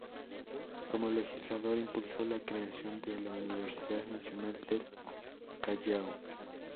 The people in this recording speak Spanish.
Como legislador impulsó la creación de la Universidad Nacional del Callao.